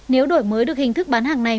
nếu đổi mới được hình thức bán hàng này